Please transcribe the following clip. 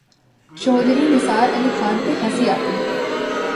چوہدری نثار علی خان پہ ہنسی آتی ہے۔